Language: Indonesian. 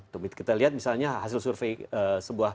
kita lihat misalnya hasil survei sebuah